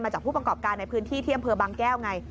จากผู้ประกอบการในพื้นที่ที่อำเภอบางแก้วไง